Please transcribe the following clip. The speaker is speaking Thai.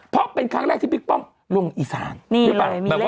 เพราะเป็นครั้งแรกที่บิ๊กป้อมลงอีสานนี่เลยมีเรื่องแบบเหมือนเลย